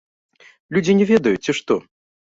Людзі не ведаюць, ці што?